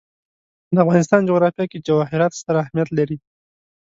د افغانستان جغرافیه کې جواهرات ستر اهمیت لري.